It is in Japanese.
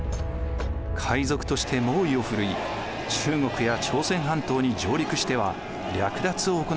海賊として猛威をふるい中国や朝鮮半島に上陸しては略奪を行っていました。